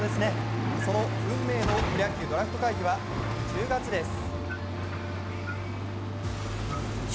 その運命のプロ野球ドラフト会議は１０月です。